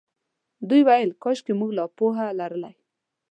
دوی ویل کاشکې موږ دا پوهه لرلای.